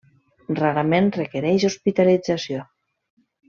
Rarament requereix hospitalització.